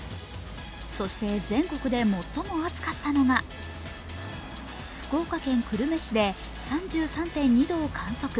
そして全国で最も暑かったのが福岡県久留米市で３３．２度を観測。